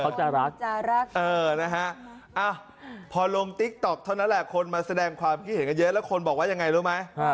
เขาจะรักจะรักเออนะฮะพอลงติ๊กต๊อกเท่านั้นแหละคนมาแสดงความคิดเห็นกันเยอะแล้วคนบอกว่ายังไงรู้ไหม